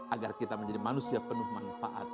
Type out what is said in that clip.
agar kita menjadi manusia penuh manfaat